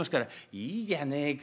「いいじゃねえか。